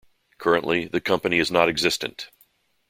Currently, the company is not existent.